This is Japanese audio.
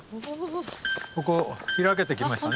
ここ開けてきましたね。